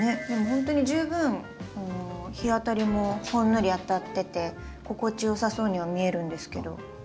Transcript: ほんとに十分日当たりもほんのり当たってて心地よさそうには見えるんですけど。